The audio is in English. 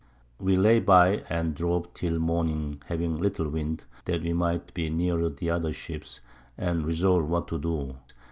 We lay by and drove till Morning (having little Wind) that we might be nearer the other Ships, and resolve what to do.